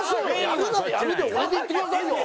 やるならやるで俺でいってくださいよ。